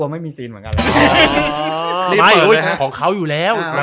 ไม่เสียเวลารึย่า